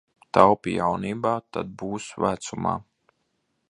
Taupi jaunībā, tad būs vecumā.